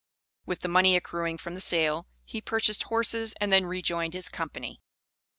With the money accruing from the sale, he purchased horses and then rejoined his company.